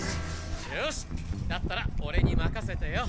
よしだったらオレにまかせてよ！